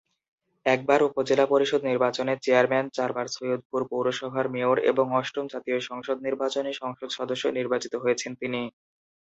একবার উপজেলা পরিষদ নির্বাচনে চেয়ারম্যান, চারবার সৈয়দপুর পৌরসভার মেয়র এবং অষ্টম জাতীয় সংসদ নির্বাচনে সংসদ সদস্য নির্বাচিত হয়েছেন তিনি।